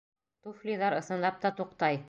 Туфлиҙар, ысынлап та, туҡтай.